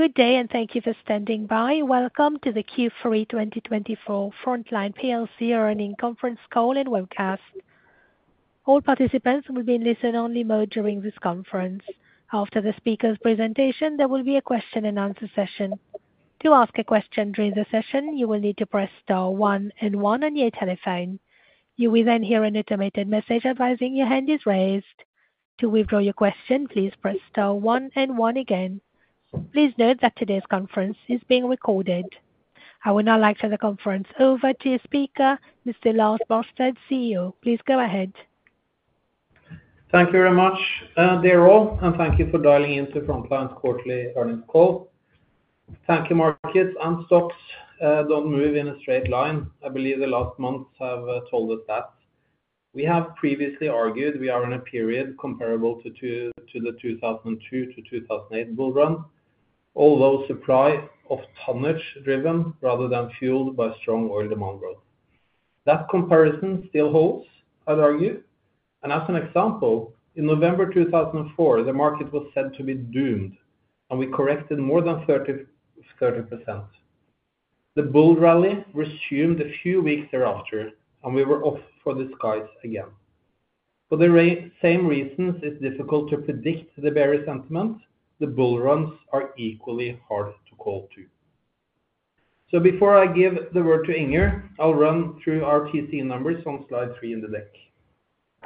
Good day, and thank you for standing by. Welcome to the Q3 2024 Frontline plc Earnings Conference Call and Webcast. All participants will be in listen-only mode during this conference. After the speaker's presentation, there will be a question-and-answer session. To ask a question during the session, you will need to press star one and one on your telephone. You will then hear an automated message advising your hand is raised. To withdraw your question, please press star one and one again. Please note that today's conference is being recorded. I will now turn the conference over to your speaker, Mr. Lars Barstad, CEO. Please go ahead. Thank you very much, dear all, and thank you for dialing into Frontline's quarterly earnings call. Thank you. Markets and stocks don't move in a straight line. I believe the last months have told us that. We have previously argued we are in a period comparable to the 2002-2008 bull run, although supply of tonnage driven rather than fueled by strong oil demand growth. That comparison still holds, I'd argue, and as an example, in November 2004, the market was said to be doomed, and we corrected more than 30%. The bull rally resumed a few weeks thereafter, and we were off for the skies again. For the same reasons, it's difficult to predict the bearish sentiment. The bull runs are equally hard to call to, so before I give the word to Inger, I'll run through our TC numbers on slide three in the deck.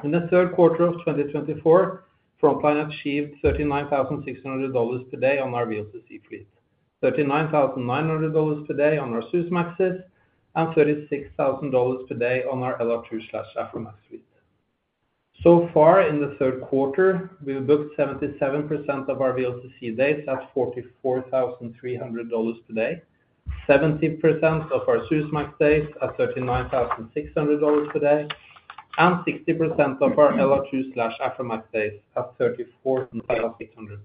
In the third quarter of 2024, Frontline achieved $39,600 per day on our VLCC fleet, $39,900 per day on our Suezmaxes, and $36,000 per day on our LR2/Aframax fleet. So far, in the third quarter, we've booked 77% of our VLCC days at $44,300 per day, 70% of our Suezmax days at $39,600 per day, and 60% of our LR2/Aframax days at $34,600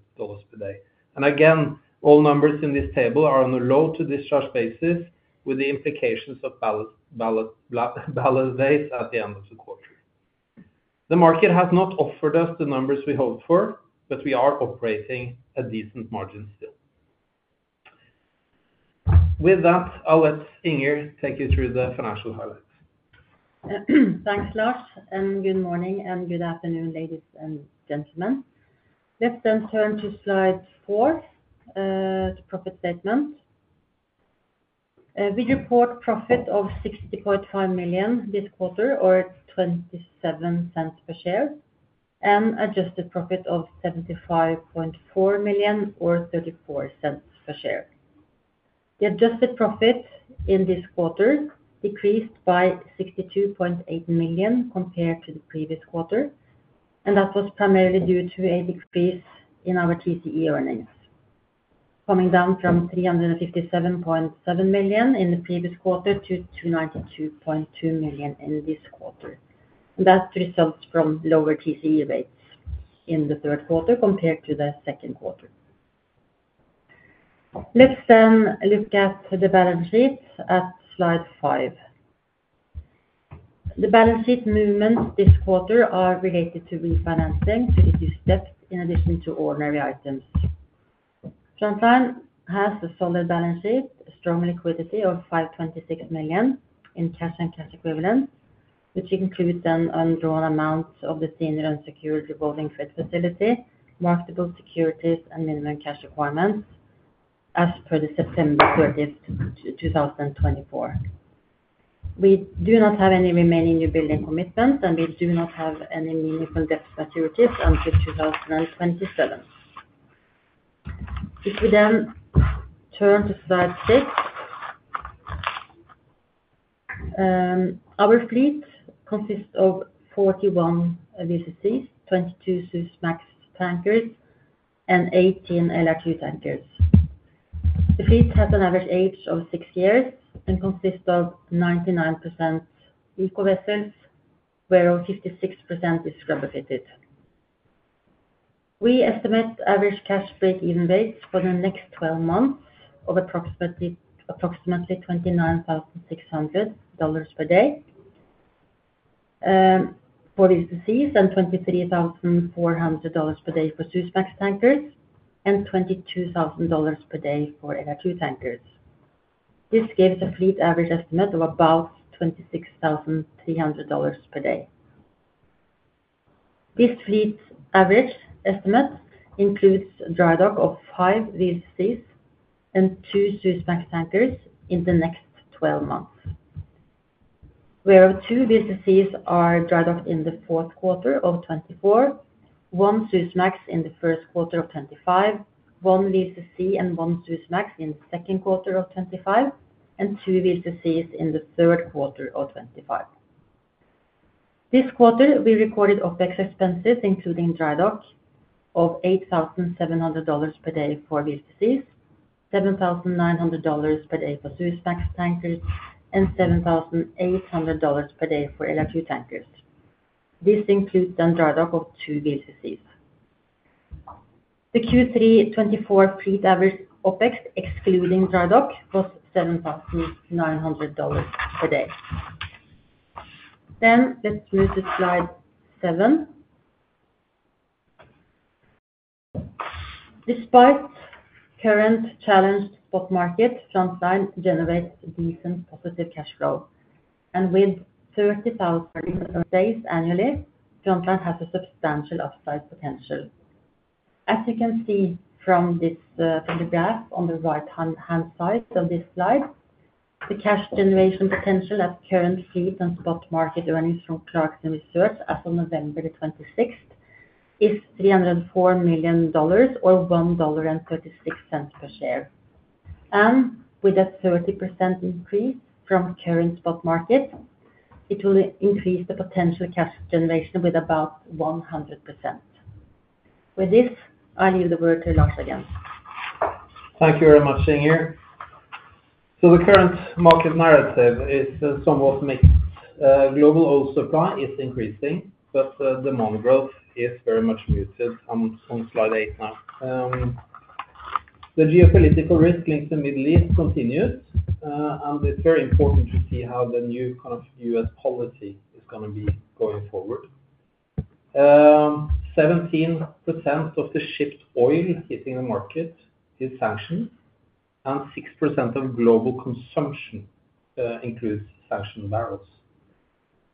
per day, and again, all numbers in this table are on a load-to-discharge basis with the implications of ballast days at the end of the quarter. The market has not offered us the numbers we hoped for, but we are operating at decent margins still. With that, I'll let Inger take you through the financial highlights. Thanks, Lars. And good morning and good afternoon, ladies and gentlemen. Let's then turn to slide four, the profit statement. We report profit of $60.5 million this quarter, or $0.27 per share, and adjusted profit of $75.4 million, or $0.34 per share. The adjusted profit in this quarter decreased by $62.8 million compared to the previous quarter, and that was primarily due to a decrease in our TCE earnings, coming down from $357.7 million in the previous quarter to $292.2 million in this quarter. And that results from lower TCE rates in the third quarter compared to the second quarter. Let's then look at the balance sheet at slide five. The balance sheet movements this quarter are related to refinancing to reduce debt in addition to ordinary items. Frontline has a solid balance sheet, a strong liquidity of $526 million in cash and cash equivalents, which includes an undrawn amount of the senior unsecured revolving credit facility, marketable securities, and minimum cash requirements as per the September 30th, 2024. We do not have any remaining newbuilding commitments, and we do not have any meaningful debt maturities until 2027. If we then turn to slide six, our fleet consists of 41 VLCCs, 22 Suezmax tankers, and 18 LR2 tankers. The fleet has an average age of six years and consists of 99% ECO vessels, whereas 56% is scrubber-fitted. We estimate average cash break-even rates for the next 12 months of approximately $29,600 per day for VLCCs and $23,400 per day for Suezmax tankers and $22,000 per day for LR2 tankers. This gives a fleet average estimate of about $26,300 per day. This fleet average estimate includes a dry dock of five VLCCs and two Suezmax tankers in the next 12 months, whereas two VLCCs are dry docked in the fourth quarter of 2024, one Suezmax in the first quarter of 2025, one VLCC and one Suezmax in the second quarter of 2025, and two VLCCs in the third quarter of 2025. This quarter, we recorded OPEX expenses, including dry dock of $8,700 per day for VLCCs, $7,900 per day for Suezmax tankers, and $7,800 per day for LR2 tankers. This includes a dry dock of two VLCCs. The Q3 2024 fleet average OPEX, excluding dry dock, was $7,900 per day. Then let's move to slide seven. Despite current challenged spot market, Frontline generates decent positive cash flow, and with $30,000 days annually, Frontline has a substantial upside potential. As you can see from the graph on the right-hand side of this slide, the cash generation potential at current fleet and spot market earnings from Clarkson Research as of November the 26th is $304 million, or $1.36 per share. And with a 30% increase from current spot market, it will increase the potential cash generation by about 100%. With this, I'll leave the word to Lars again. Thank you very much, Inger. So the current market narrative is somewhat mixed. Global oil supply is increasing, but demand growth is very much muted on slide eight now. The geopolitical risk linked to the Middle East continues, and it's very important to see how the new kind of U.S. policy is going to be going forward. 17% of the shipped oil hitting the market is sanctioned, and 6% of global consumption includes sanctioned barrels.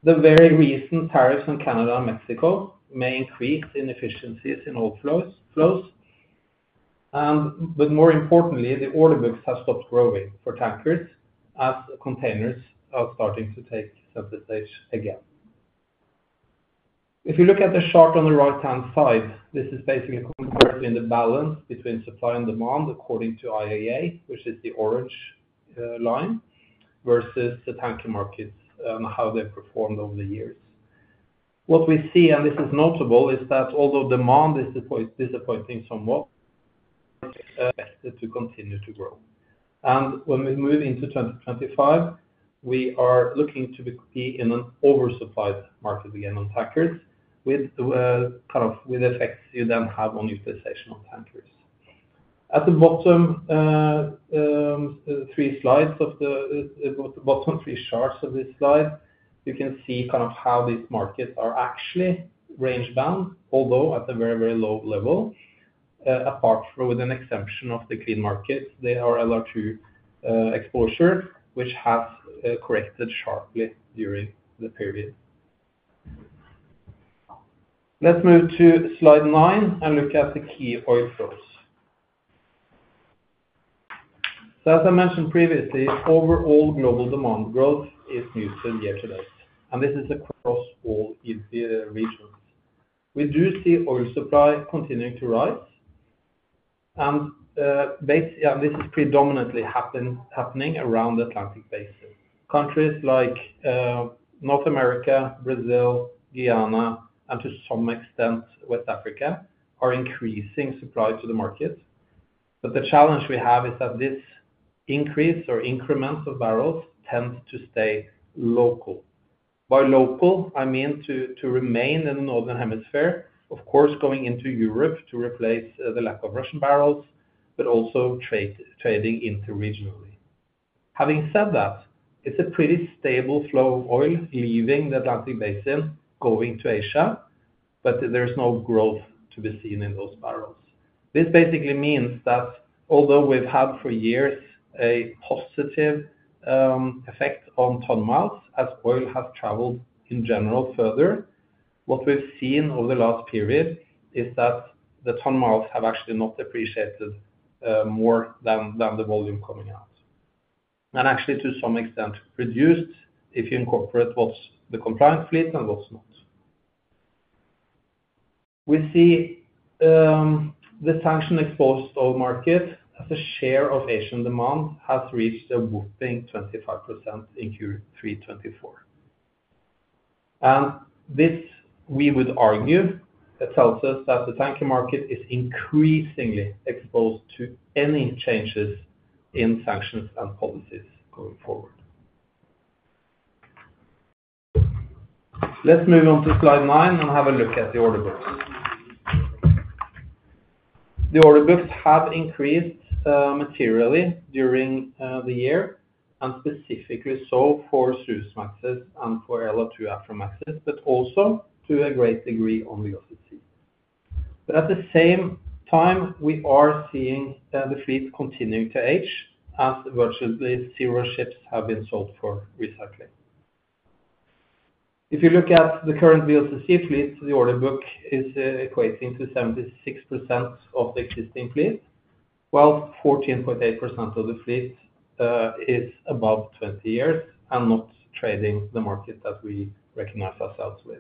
The very recent tariffs on Canada and Mexico may increase inefficiencies in oil flows. But more importantly, the order books have stopped growing for tankers as containers are starting to take center stage again. If you look at the chart on the right-hand side, this is basically comparison in the balance between supply and demand according to IEA, which is the orange line, versus the tanker markets and how they performed over the years. What we see, and this is notable, is that although demand is disappointing somewhat expected to continue to grow, and when we move into 2025, we are looking to be in an oversupplied market again on tankers, with effects you then have on utilization of tankers. At the bottom three slides of the bottom three charts of this slide, you can see kind of how these markets are actually range-bound, although at a very, very low level, apart from with an exemption of the clean markets, they are LR2 exposure, which has corrected sharply during the period. Let's move to slide nine and look at the key oil flows, so as I mentioned previously, overall global demand growth is muted year to date, and this is across all regions. We do see oil supply continuing to rise, and this is predominantly happening around the Atlantic Basin. Countries like North America, Brazil, Guyana, and to some extent West Africa are increasing supply to the market. But the challenge we have is that this increase or increment of barrels tends to stay local. By local, I mean to remain in the northern hemisphere, of course, going into Europe to replace the lack of Russian barrels, but also trading interregionally. Having said that, it's a pretty stable flow of oil leaving the Atlantic Basin, going to Asia, but there is no growth to be seen in those barrels. This basically means that although we've had for years a positive effect on ton-miles as oil has traveled in general further, what we've seen over the last period is that the ton-miles have actually not appreciated more than the volume coming out, and actually to some extent reduced if you incorporate what's the compliance fleet and what's not. We see the sanction-exposed oil market as a share of Asian demand has reached a whopping 25% in Q3 2024, and this, we would argue, tells us that the tanker market is increasingly exposed to any changes in sanctions and policies going forward. Let's move on to slide nine and have a look at the order books. The order books have increased materially during the year, and specifically so for Suezmaxes and for LR2/Aframaxes, but also to a great degree on VLCC. But at the same time, we are seeing the fleet continuing to age as virtually zero ships have been sold for recycling. If you look at the current VLCC fleet, the order book is equating to 76% of the existing fleet, while 14.8% of the fleet is above 20 years and not trading the market that we recognize ourselves with.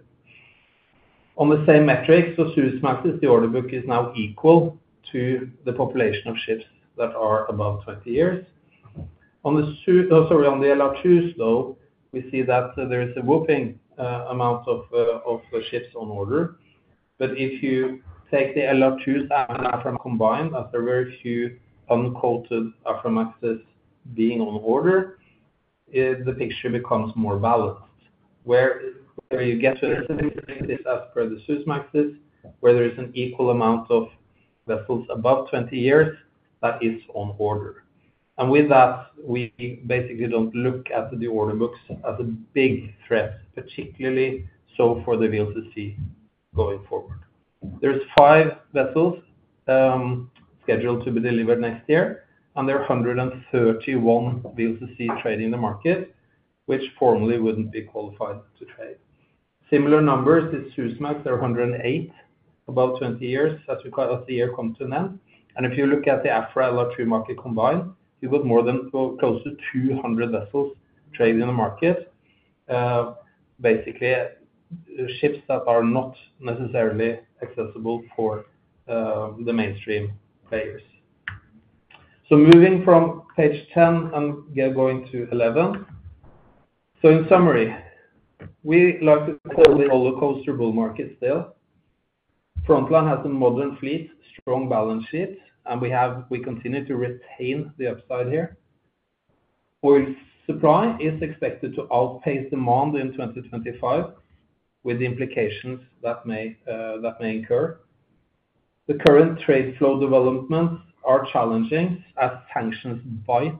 On the same metric, for Suezmaxes, the order book is now equal to the population of ships that are above 20 years. On the LR2s, though, we see that there is a whopping amount of ships on order. But if you take the LR2s and Aframaxes combined, as there are very few uncoated Aframaxes being on order, the picture becomes more balanced, where you get to a similarity as per the Suezmaxes, where there is an equal amount of vessels above 20 years that is on order. And with that, we basically don't look at the order books as a big threat, particularly so for the VLCC going forward. There are five vessels scheduled to be delivered next year, and there are 131 VLCCs trading the market, which formally wouldn't be qualified to trade. Similar numbers in Suezmax. There are 108 above 20 years as the year comes to an end. And if you look at the Aframax/LR2 market combined, you've got more than close to 200 vessels trading the market, basically ships that are not necessarily accessible for the mainstream players. Moving from page 10 and going to 11. In summary, we like to call it a roller coaster bull market still. Frontline has a modern fleet, strong balance sheet, and we continue to retain the upside here. Oil supply is expected to outpace demand in 2025 with the implications that may incur. The current trade flow developments are challenging as sanctions bite,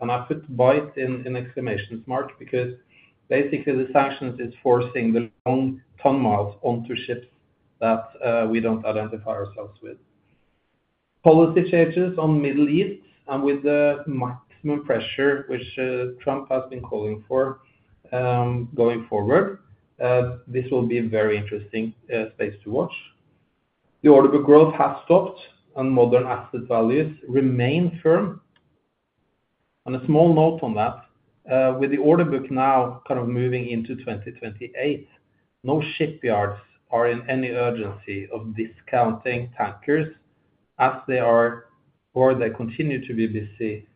and I put bite in exclamation mark because basically the sanctions are forcing the long ton-miles onto ships that we don't identify ourselves with. Policy changes on the Middle East and with the maximum pressure, which Trump has been calling for going forward, this will be a very interesting space to watch. The order book growth has stopped, and modern asset values remain firm. On a small note on that, with the order book now kind of moving into 2028, no shipyards are in any urgency of discounting tankers as they are or they continue to be busy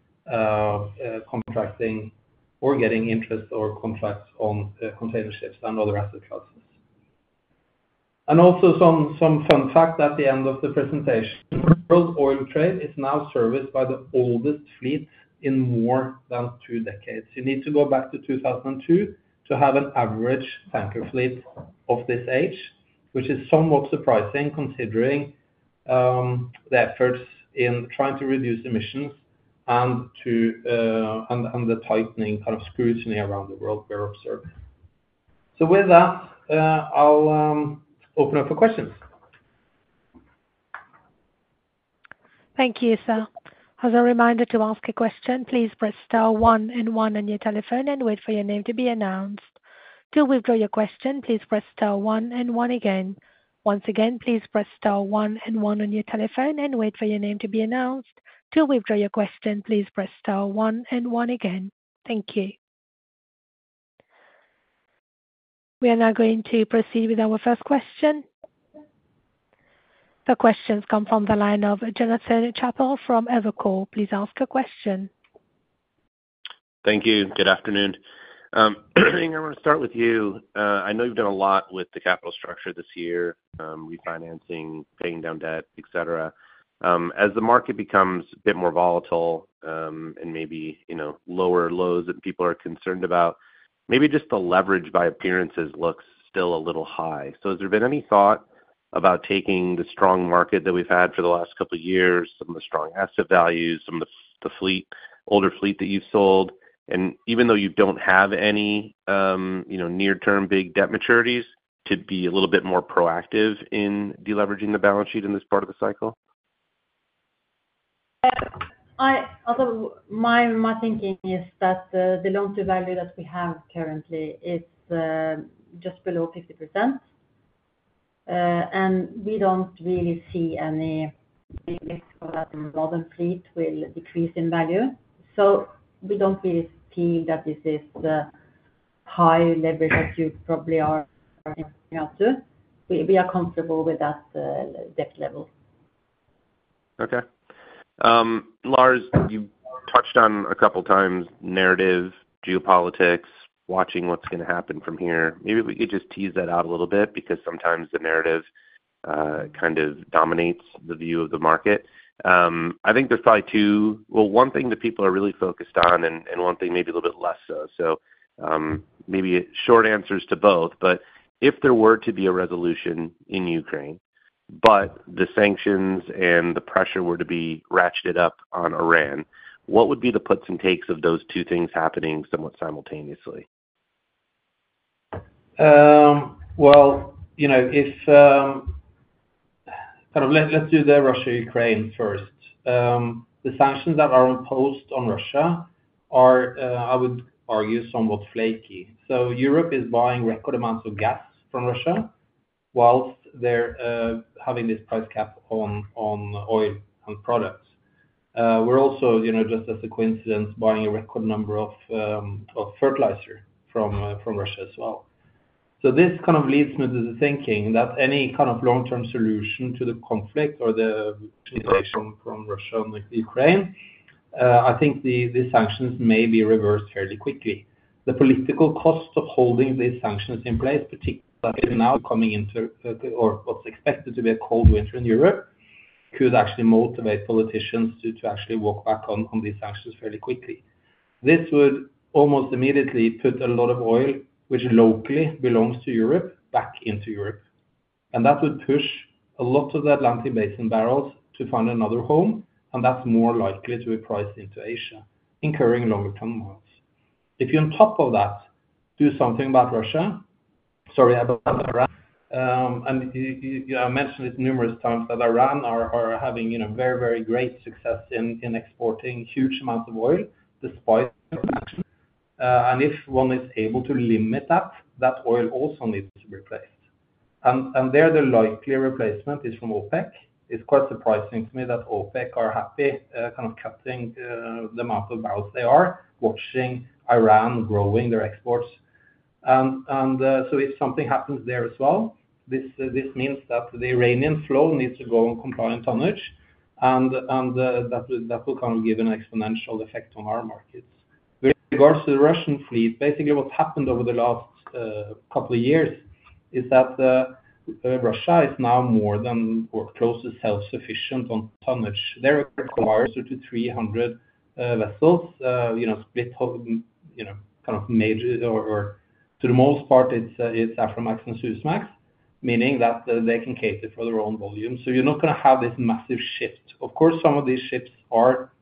contracting or getting interest or contracts on container ships and other asset classes. And also some fun fact at the end of the presentation. World oil trade is now serviced by the oldest fleet in more than two decades. You need to go back to 2002 to have an average tanker fleet of this age, which is somewhat surprising considering the efforts in trying to reduce emissions and the tightening kind of scrutiny around the world we're observing. So with that, I'll open up for questions. Thank you, sir. As a reminder to ask a question, please press star one and one on your telephone and wait for your name to be announced. To withdraw your question, please press star one and one again. Once again, please press star one and one on your telephone and wait for your name to be announced. To withdraw your question, please press star one and one again. Thank you. We are now going to proceed with our first question. The questions come from the line of Jonathan Chappell from Evercore. Please ask a question. Thank you. Good afternoon. Inger, I want to start with you. I know you've done a lot with the capital structure this year, refinancing, paying down debt, etc. As the market becomes a bit more volatile and maybe lower lows that people are concerned about, maybe just the leverage by appearances looks still a little high. So has there been any thought about taking the strong market that we've had for the last couple of years, some of the strong asset values, some of the older fleet that you've sold, and even though you don't have any near-term big debt maturities, to be a little bit more proactive in deleveraging the balance sheet in this part of the cycle? My thinking is that the long-term value that we have currently is just below 50%, and we don't really see any risk that the modern fleet will decrease in value. So we don't really feel that this is the high leverage that you probably are up to. We are comfortable with that debt level. Okay. Lars, you touched on a couple of times narrative, geopolitics, watching what's going to happen from here. Maybe we could just tease that out a little bit because sometimes the narrative kind of dominates the view of the market. I think there's probably two, well, one thing that people are really focused on and one thing maybe a little bit less so. So maybe short answers to both, but if there were to be a resolution in Ukraine, but the sanctions and the pressure were to be ratcheted up on Iran, what would be the puts and takes of those two things happening somewhat simultaneously? Let's do the Russia-Ukraine first. The sanctions that are imposed on Russia are, I would argue, somewhat flaky. So Europe is buying record amounts of gas from Russia while they're having this price cap on oil and products. We're also, just as a coincidence, buying a record number of fertilizer from Russia as well. So this kind of leads me to the thinking that any kind of long-term solution to the conflict or the mutilation from Russia on the Ukraine, I think these sanctions may be reversed fairly quickly. The political cost of holding these sanctions in place, particularly now coming into or what's expected to be a cold winter in Europe, could actually motivate politicians to actually walk back on these sanctions fairly quickly. This would almost immediately put a lot of oil, which locally belongs to Europe, back into Europe. And that would push a lot of the Atlantic Basin barrels to find another home, and that's more likely to be priced into Asia, incurring longer-term miles. If you, on top of that, do something about Russia, sorry, about Iran, and I mentioned it numerous times that Iran are having very, very great success in exporting huge amounts of oil despite the sanctions, and if one is able to limit that, that oil also needs to be replaced. And there the likely replacement is from OPEC. It's quite surprising to me that OPEC are happy kind of cutting the amount of barrels they are, watching Iran growing their exports. And so if something happens there as well, this means that the Iranian flow needs to go on compliant tonnage, and that will kind of give an exponential effect on our markets. With regards to the Russian fleet, basically what's happened over the last couple of years is that Russia is now more than close to self-sufficient on tonnage. They're required to 300 vessels, split kind of majority to the most part, it's Aframax and Suezmax, meaning that they can cater for their own volume. So you're not going to have this massive shift. Of course, some of these ships are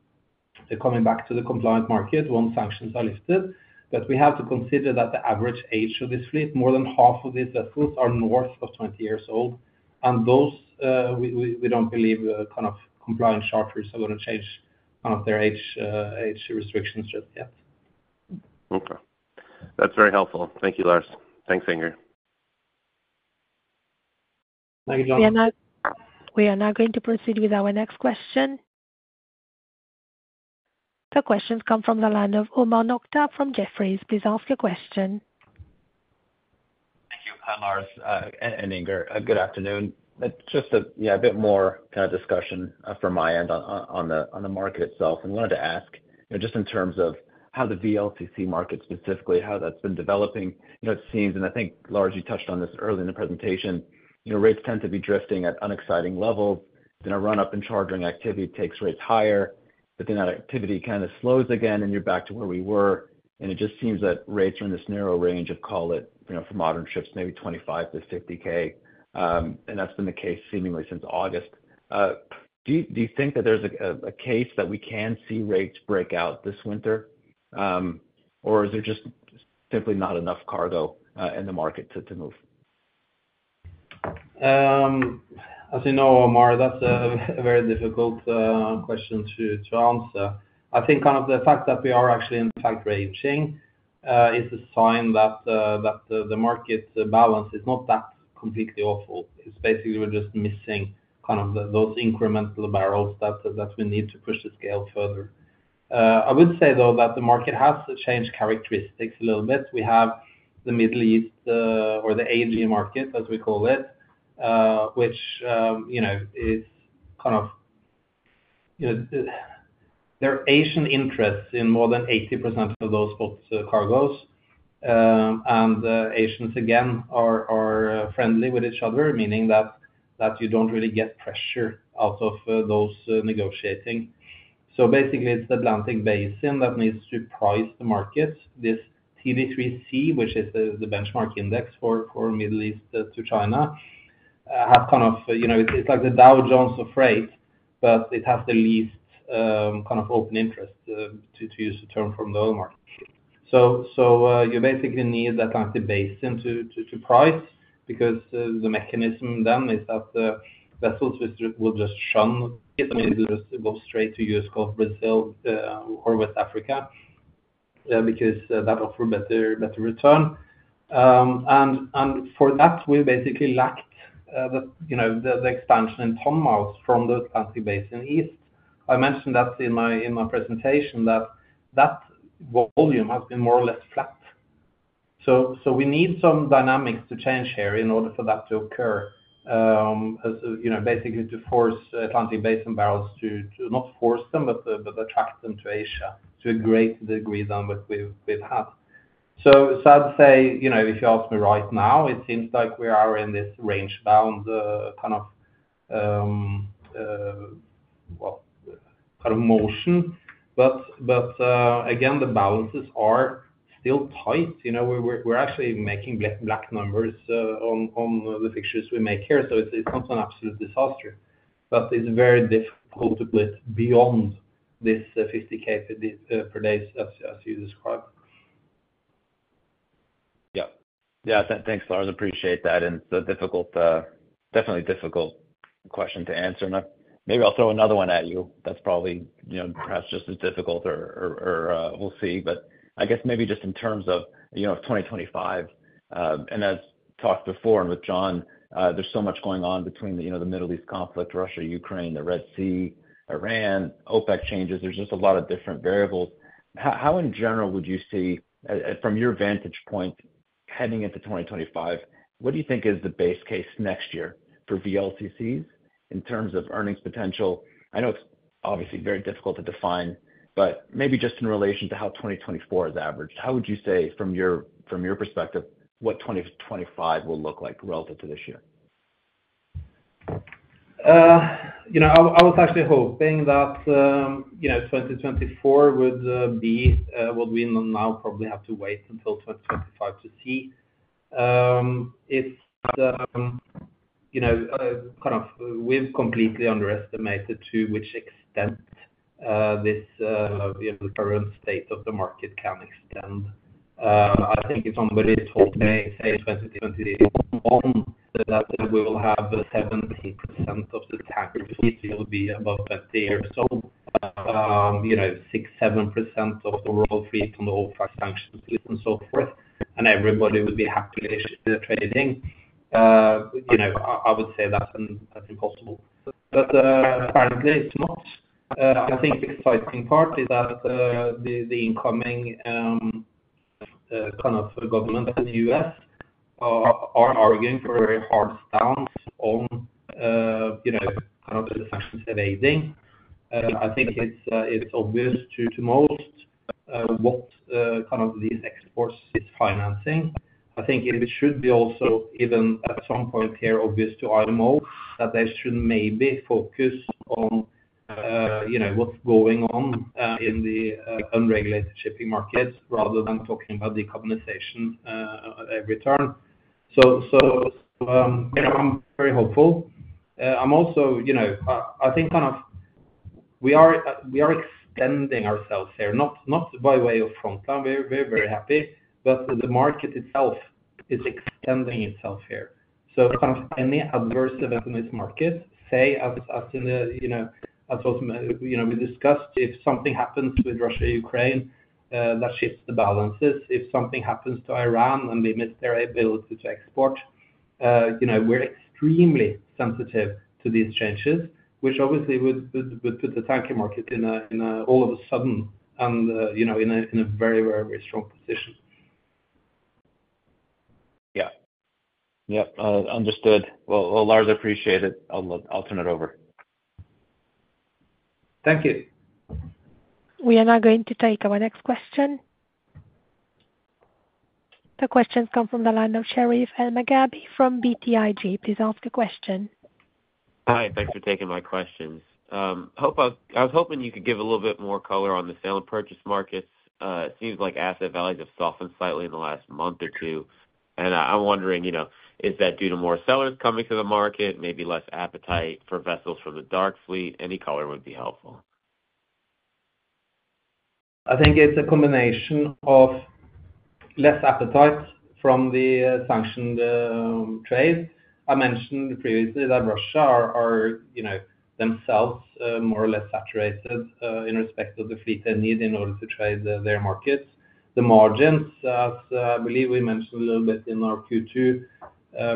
coming back to the compliant market once sanctions are lifted, but we have to consider that the average age of this fleet, more than half of these vessels are north of 20 years old, and those we don't believe kind of compliant charters are going to change kind of their age restrictions just yet. Okay. That's very helpful. Thank you, Lars. Thanks, Inger. Thank you, Jonathan. We are now going to proceed with our next question. The questions come from the line of Omar Nokta from Jefferies. Please ask a question. Thank you, Lars, and Inger. Good afternoon. Just a bit more kind of discussion from my end on the market itself. And wanted to ask just in terms of how the VLCC market specifically, how that's been developing, it seems, and I think Lars you touched on this early in the presentation, rates tend to be drifting at unexciting levels. Then a run-up in chartering activity takes rates higher, but then that activity kind of slows again, and you're back to where we were. And it just seems that rates are in this narrow range of, call it for modern ships, maybe $25,000-$50,000. And that's been the case seemingly since August. Do you think that there's a case that we can see rates break out this winter, or is there just simply not enough cargo in the market to move? As you know, Omar, that's a very difficult question to answer. I think kind of the fact that we are actually in fact ranging is a sign that the market balance is not that completely awful. It's basically we're just missing kind of those incremental barrels that we need to push the scale further. I would say, though, that the market has changed characteristics a little bit. We have the Middle East or the AG market, as we call it, which is kind of their Asian interests in more than 80% of those cargoes. And Asians, again, are friendly with each other, meaning that you don't really get pressure out of those negotiating. So basically, it's the Atlantic Basin that needs to price the markets. This TD3C, which is the benchmark index for Middle East to China, has kind of it's like the Dow Jones of freight, but it has the least kind of open interest, to use the term, from the oil market. So you basically need that Atlantic Basin to price because the mechanism then is that the vessels will just shun it. I mean, it'll just go straight to U.S. Gulf, Brazil, or West Africa because that offers a better return, and for that, we basically lacked the expansion in ton-miles from the Atlantic Basin east. I mentioned that in my presentation that that volume has been more or less flat, so we need some dynamics to change here in order for that to occur, basically to force Atlantic Basin barrels to not force them, but attract them to Asia to a greater degree than what we've had. I'd say if you ask me right now, it seems like we are in this range-bound kind of motion. But again, the balances are still tight. We're actually making black numbers on the fixtures we make here. It's not an absolute disaster, but it's very difficult to put beyond this $50,000 per day, as you described. Yeah. Yeah. Thanks, Lars. Appreciate that. It's a difficult, definitely difficult question to answer. Maybe I'll throw another one at you that's probably perhaps just as difficult, or we'll see, but I guess maybe just in terms of 2025, and as talked before and with John, there's so much going on between the Middle East conflict, Russia, Ukraine, the Red Sea, Iran, OPEC changes. There's just a lot of different variables. How, in general, would you see, from your vantage point, heading into 2025, what do you think is the base case next year for VLCCs in terms of earnings potential? I know it's obviously very difficult to define, but maybe just in relation to how 2024 is averaged, how would you say, from your perspective, what 2025 will look like relative to this year? I was actually hoping that 2024 would be what we now probably have to wait until 2025 to see. It's kind of we've completely underestimated to which extent this current state of the market can extend. I think if somebody told me, say, 2021, that we will have 70% of the tankers' fleet will be above 20 or so, 6-7% of the world fleet under all five sanctions and so forth, and everybody would be happily trading, I would say that's impossible. But apparently, it's not. I think the exciting part is that the incoming kind of government in the U.S. are arguing for a hard stance on kind of the sanctions evading. I think it's obvious to most what kind of these exports is financing. I think it should be also even at some point here obvious to IMO that they should maybe focus on what's going on in the unregulated shipping markets rather than talking about decarbonization every turn. So I'm very hopeful. I'm also, I think kind of we are extending ourselves here, not by way of Frontline. We're very happy, but the market itself is extending itself here. So kind of any adverse event in this market, say, as we discussed, if something happens with Russia-Ukraine, that shifts the balances. If something happens to Iran and limits their ability to export, we're extremely sensitive to these changes, which obviously would put the tanker market all of a sudden in a very, very, very strong position. Yeah. Yep. Understood. Well, Lars, I appreciate it. I'll turn it over. Thank you. We are now going to take our next question. The question comes from the line of Sherif Elmaghrabi from BTIG. Please ask a question. Hi. Thanks for taking my questions. I was hoping you could give a little bit more color on the sale and purchase markets. It seems like asset values have softened slightly in the last month or two. And I'm wondering, is that due to more sellers coming to the market, maybe less appetite for vessels from the dark fleet? Any color would be helpful. I think it's a combination of less appetite from the sanctioned trade. I mentioned previously that Russia are themselves more or less saturated in respect of the fleet they need in order to trade their markets. The margins, as I believe we mentioned a little bit in our Q2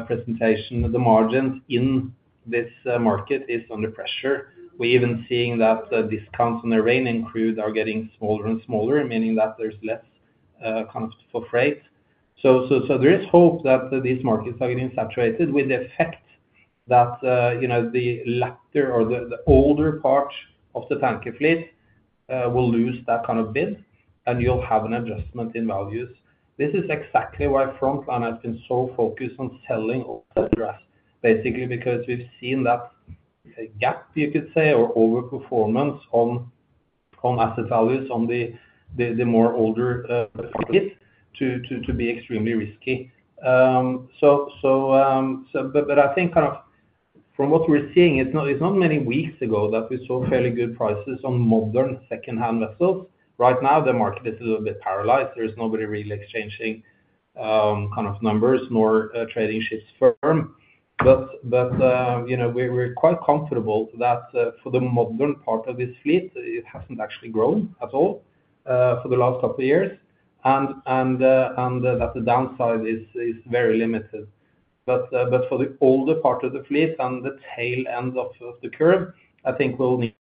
presentation, the margins in this market are under pressure. We're even seeing that discounts on the Iranian crude are getting smaller and smaller, meaning that there's less kind of for freight. So there is hope that these markets are getting saturated with the effect that the latter or the older part of the tanker fleet will lose that kind of bid, and you'll have an adjustment in values. This is exactly why Frontline has been so focused on selling older assets, basically because we've seen that gap, you could say, or overperformance on asset values on the older fleet to be extremely risky. But I think kind of from what we're seeing, it's not many weeks ago that we saw fairly good prices on modern secondhand vessels. Right now, the market is a little bit paralyzed. There is nobody really exchanging kind of numbers nor trading ships firm. But we're quite comfortable that for the modern part of this fleet, it hasn't actually grown at all for the last couple of years, and that the downside is very limited. But for the older part of the fleet and the tail end of the curve, I think we'll need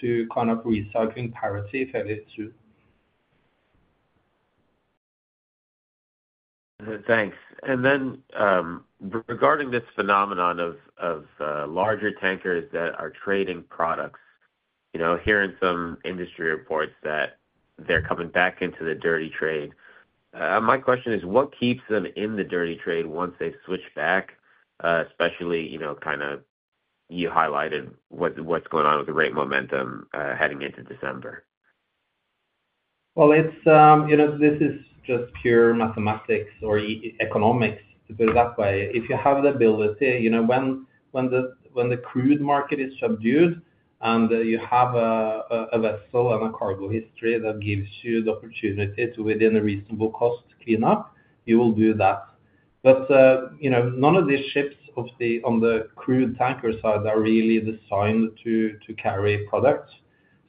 to kind of recycle or scrap fairly soon. Thanks. And then regarding this phenomenon of larger tankers that are trading products, hearing some industry reports that they're coming back into the dirty trade, my question is, what keeps them in the dirty trade once they switch back, especially kind of you highlighted what's going on with the rate momentum heading into December? This is just pure mathematics or economics, to put it that way. If you have the ability, when the crude market is subdued and you have a vessel and a cargo history that gives you the opportunity to, within a reasonable cost, clean up, you will do that. But none of these ships on the crude tanker side are really designed to carry products.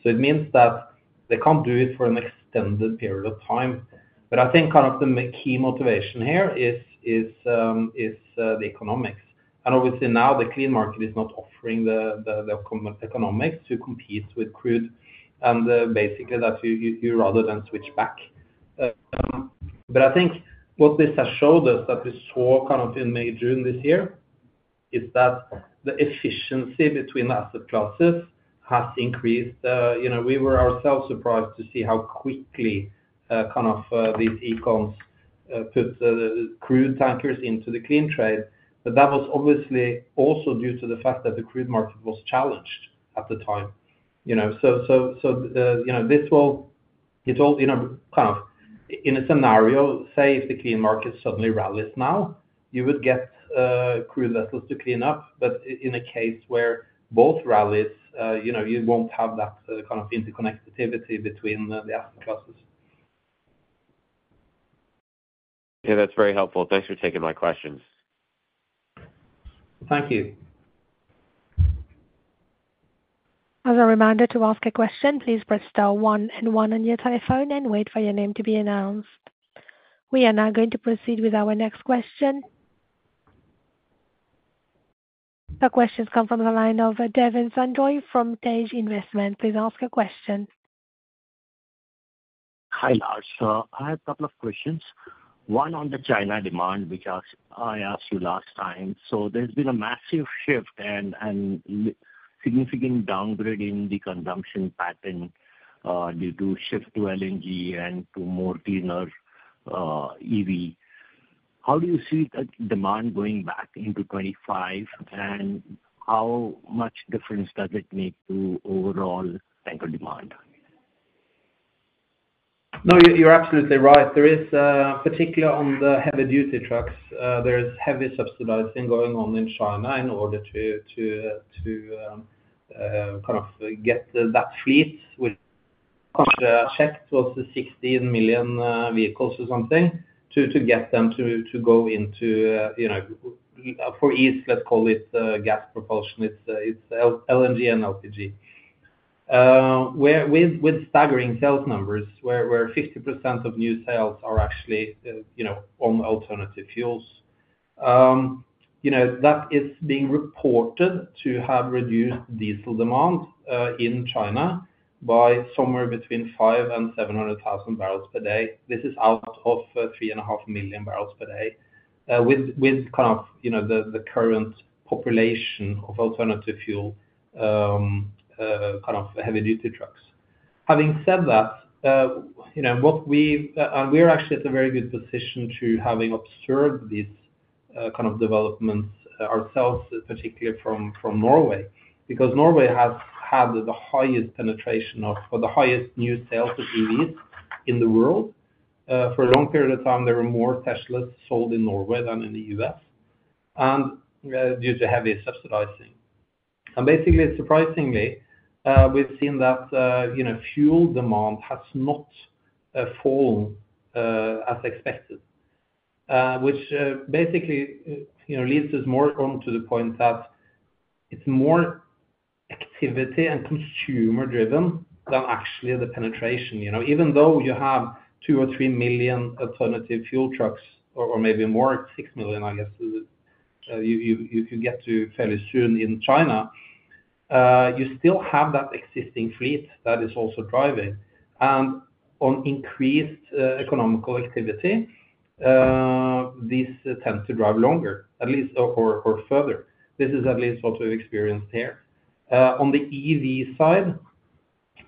So it means that they can't do it for an extended period of time. But I think kind of the key motivation here is the economics. And obviously, now the clean market is not offering the economics to compete with crude and basically that you rather than switch back. But I think what this has showed us, that we saw kind of in May, June this year, is that the efficiency between the asset classes has increased. We were ourselves surprised to see how quickly kind of these ECOs put crude tankers into the clean trade. But that was obviously also due to the fact that the crude market was challenged at the time. So this will kind of, in a scenario, say if the clean market suddenly rallies now, you would get crude vessels to clean up. But in a case where both rallies, you won't have that kind of interconnectivity between the asset classes. Yeah, that's very helpful. Thanks for taking my questions. Thank you. As a reminder to ask a question, please press star one and one on your telephone and wait for your name to be announced. We are now going to proceed with our next question. The question comes from the line of Devin Sandoy from TIG Advisors. Please ask a question. Hi, Lars. So I have a couple of questions. One on the China demand, which I asked you last time. So there's been a massive shift and significant downgrade in the consumption pattern due to shift to LNG and to more cleaner EV. How do you see the demand going back into 2025, and how much difference does it make to overall tanker demand? No, you're absolutely right. There is, particularly on the heavy-duty trucks, there is heavy subsidizing going on in China in order to kind of get that fleet which has 16 million vehicles or something to get them to go into fuels, let's call it gas propulsion. It's LNG and LPG. With staggering sales numbers, where 50% of new sales are actually on alternative fuels, that is being reported to have reduced diesel demand in China by somewhere between five and 700,000 barrels per day. This is out of 3.5 million barrels per day with kind of the current population of alternative fuel kind of heavy-duty trucks. Having said that, we're actually at a very good position to having observed these kind of developments ourselves, particularly from Norway, because Norway has had the highest penetration of the highest new sales of EVs in the world. For a long period of time, there were more Teslas sold in Norway than in the U.S. due to heavy subsidizing, and basically, surprisingly, we've seen that fuel demand has not fallen as expected, which basically leads us more on to the point that it's more activity and consumer-driven than actually the penetration. Even though you have two or three million alternative fuel trucks, or maybe more, six million, I guess, you get to fairly soon in China, you still have that existing fleet that is also driving, and on increased economic activity, these tend to drive longer, at least, or further. This is at least what we've experienced here. On the EV side,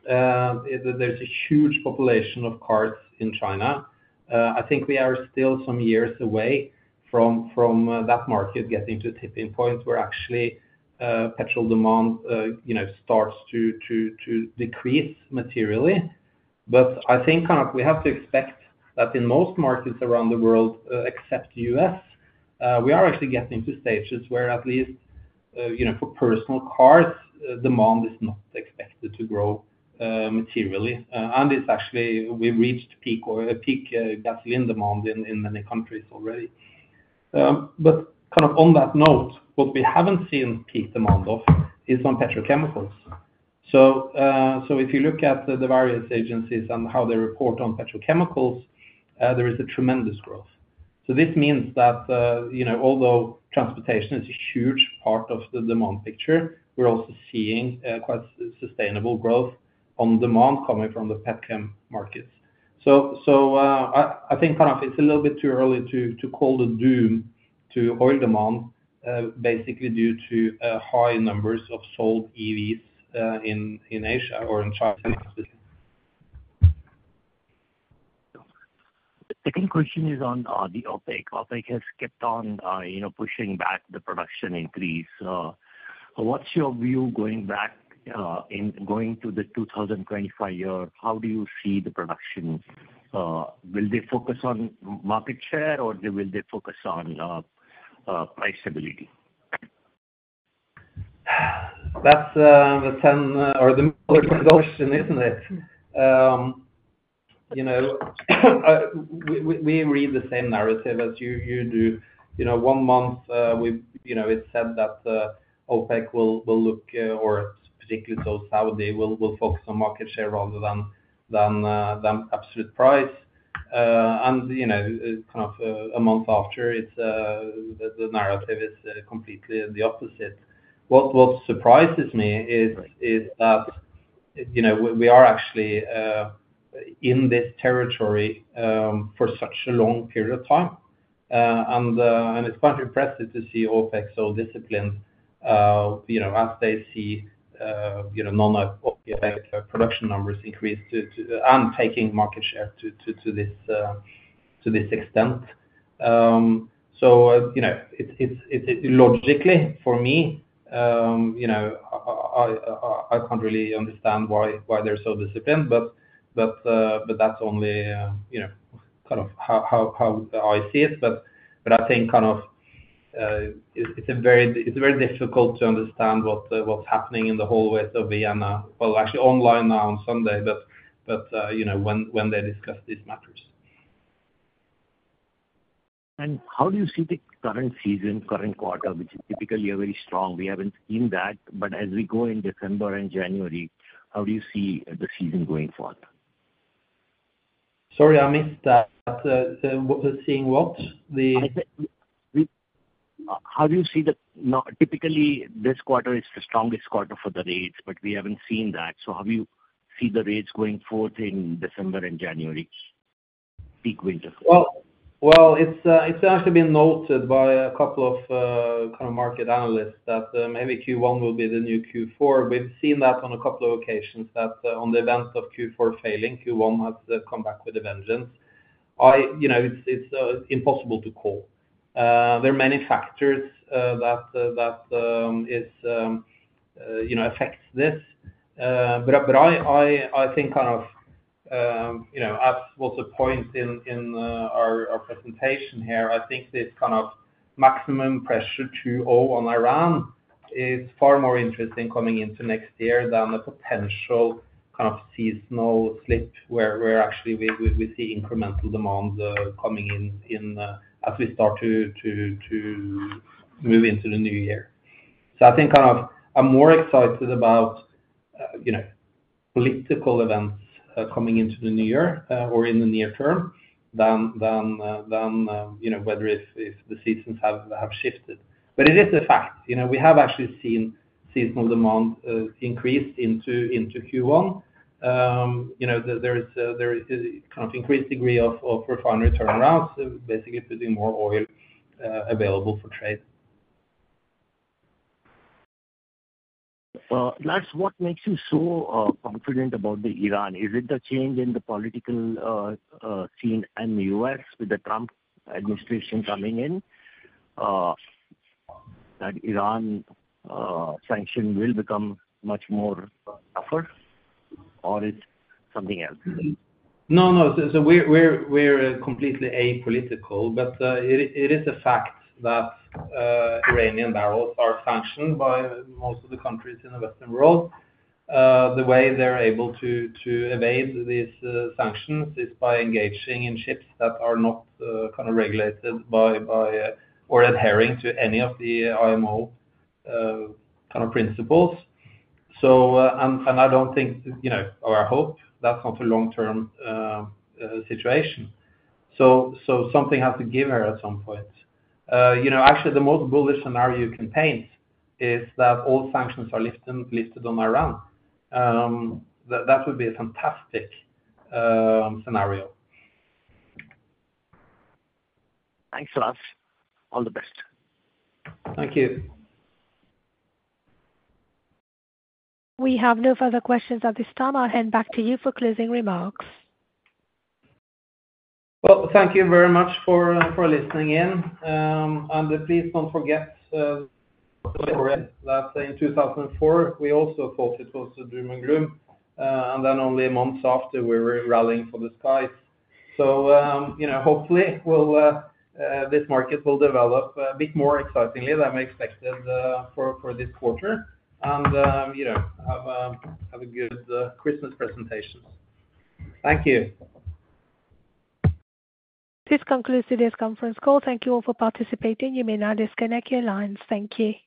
there's a huge population of cars in China. I think we are still some years away from that market getting to a tipping point where actually petrol demand starts to decrease materially. But I think kind of we have to expect that in most markets around the world, except the U.S., we are actually getting to stages where at least for personal cars, demand is not expected to grow materially. And it's actually we've reached peak gasoline demand in many countries already. But kind of on that note, what we haven't seen peak demand of is on petrochemicals. So if you look at the various agencies and how they report on petrochemicals, there is a tremendous growth. So this means that although transportation is a huge part of the demand picture, we're also seeing quite sustainable growth on demand coming from the petchem markets. So I think kind of it's a little bit too early to call the doom to oil demand, basically due to high numbers of sold EVs in Asia or in China specifically. Second question is on the OPEC. OPEC has kept on pushing back the production increase. What's your view going back in going to the 2025 year? How do you see the production? Will they focus on market share, or will they focus on price stability? That's the modern question, isn't it? We read the same narrative as you do. One month, it's said that OPEC will look, or particularly so Saudi, will focus on market share rather than absolute price. And kind of a month after, the narrative is completely the opposite. What surprises me is that we are actually in this territory for such a long period of time. And it's quite impressive to see OPEC so disciplined as they see non-OPEC production numbers increase and taking market share to this extent. So logically, for me, I can't really understand why they're so disciplined, but that's only kind of how I see it. But I think kind of it's very difficult to understand what's happening in the hallways of Vienna. Well, actually online now on Sunday, but when they discuss these matters. How do you see the current season? Current quarter, which is typically a very strong. We haven't seen that. As we go in December and January, how do you see the season going forward? Sorry, I missed that. Seeing what? How do you see the typically this quarter is the strongest quarter for the rates, but we haven't seen that, so how do you see the rates going forward in December and January? Peak winter. It's actually been noted by a couple of kind of market analysts that maybe Q1 will be the new Q4. We've seen that on a couple of occasions that on the event of Q4 failing, Q1 has come back with a vengeance. It's impossible to call. There are many factors that affect this. But I think kind of as was the point in our presentation here, I think this kind of maximum pressure to zero on Iran is far more interesting coming into next year than the potential kind of seasonal slip where actually we see incremental demand coming in as we start to move into the new year. So I think kind of I'm more excited about political events coming into the new year or in the near term than whether if the seasons have shifted. But it is a fact. We have actually seen seasonal demand increase into Q1. There is a kind of increased degree of refinery turnarounds, basically putting more oil available for trade. Lars, what makes you so confident about the Iran? Is it the change in the political scene in the U.S. with the Trump administration coming in that Iran sanction will become much more tougher, or is it something else? No, no. So we're completely apolitical, but it is a fact that Iranian barrels are sanctioned by most of the countries in the Western world. The way they're able to evade these sanctions is by engaging in ships that are not kind of regulated by or adhering to any of the IMO kind of principles. And I don't think, or I hope that's not a long-term situation. So something has to give there at some point. Actually, the most bullish scenario you can paint is that all sanctions are lifted on Iran. That would be a fantastic scenario. Thanks, Lars. All the best. Thank you. We have no further questions at this time. I'll hand back to you for closing remarks. Thank you very much for listening in. Please don't forget that in 2004, we also thought it was a doom and gloom. Then only months after, we were rallying for the skies. Hopefully, this market will develop a bit more excitingly than we expected for this quarter and have a good Christmas presentations. Thank you. This concludes today's conference call. Thank you all for participating. You may now disconnect your lines. Thank you.